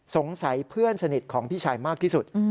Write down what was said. สงสัยเพื่อนสนิทของพี่ชายมากที่สุด